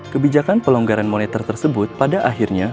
kebijakan pelonggaran moneter tersebut pada akhirnya